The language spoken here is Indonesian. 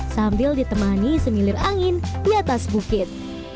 sambil ditemani semilir angin di atas bukit